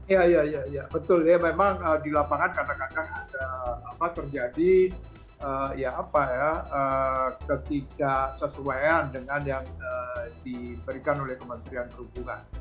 iya iya betul ya memang di lapangan kadang kadang ada terjadi ketidaksesuaian dengan yang diberikan oleh kementerian perhubungan